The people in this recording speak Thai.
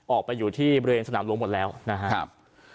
ออกไปอยู่ที่บริเวณสนามหลวงหมดแล้วนะครับ